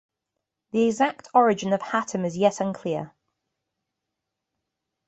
The exact origin of "Hattem" is yet unclear.